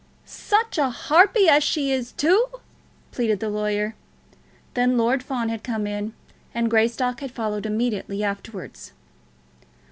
"Such a harpy as she is, too!" pleaded the lawyer. Then Lord Fawn had come in, and Greystock had followed immediately afterwards.